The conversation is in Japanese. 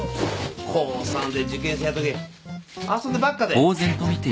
高３で受験生だってのに遊んでばっかで。